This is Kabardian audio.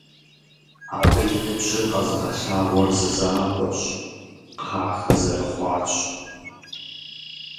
Абы и ныбжьыр къэзыгъэлъагъуэр зы закъуэщ: кхъахэ зэрыхъуарщ.